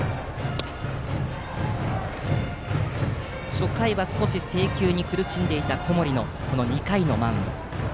初回は少し制球に苦しんでいた小森のこの２回のマウンド。